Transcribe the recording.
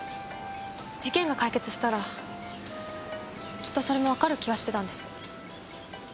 事件が解決したらきっとそれもわかる気がしてたんです。